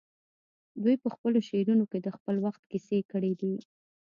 دوی په خپلو شعرونو کې د خپل وخت کیسې کړي دي